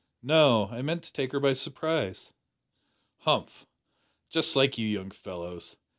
"No; I meant to take her by surprise." "Humph! Just like you young fellows.